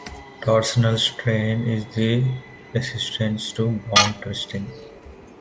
Torsional strain is the resistance to bond twisting.